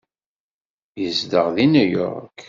Yezdeɣ deg New York.